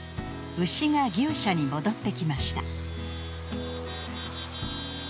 牛が牛舎に戻ってきました。